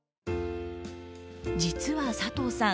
実は佐藤さん